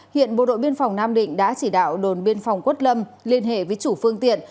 hiện bộ đội biên phòng nam định đã chỉ đạo đồn biên phòng quất lâm liên hệ với chủ phương tiện